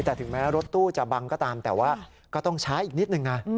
แต่ถึงแม้รถตู้จะบังก็ตามแต่ว่าก็ต้องช้าอีกนิดนึงนะ